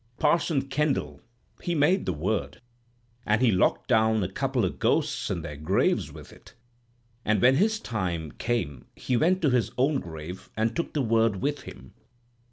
Parson Kendall, he made the word, and he locked down a couple o' ghosts in their graves with it; and when his time came he went to his own grave and took the word with him."